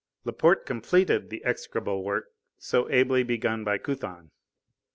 Laporte completed the execrable work so ably begun by Couthon.